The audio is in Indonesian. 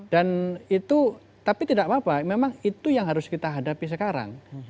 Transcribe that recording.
dan itu tapi tidak apa apa memang itu yang harus kita hadapi sekarang